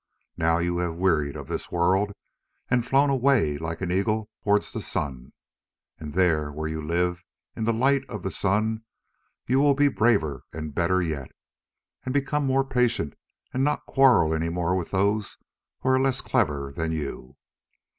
Now you have wearied of this world and flown away like an eagle towards the sun, and there where you live in the light of the sun you will be braver and better yet, and become more patient and not quarrel any more with those who are less clever than you.